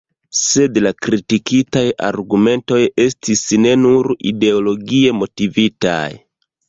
Sed la kritikaj argumentoj estis ne nur ideologie motivitaj.